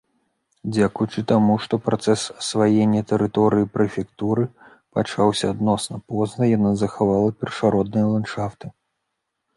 Дзякуючы таму, што працэс асваення тэрыторыі прэфектуры пачаўся адносна позна, яна захавала першародныя ландшафты.